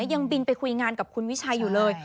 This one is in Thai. ยังบินไปคุยงานกับคุณวิชัยอยู่เลย